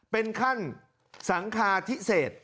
เป็นขั้นสังคาทิเศษ